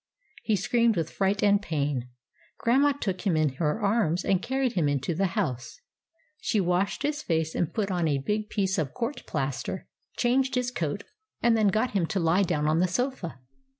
He screamed with fright and pain. Grandma took him in her arms and carried him into the house. She washed his face, and put on a big piece of court plaster, changed his coat, and then got him to lie down on the sofa.